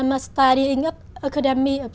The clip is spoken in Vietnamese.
mà các bạn phải làm việc